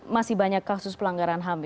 masih banyak kasus pelanggaran ham